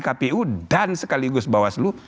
kpu dan sekaligus bawaslu